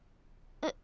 えっ。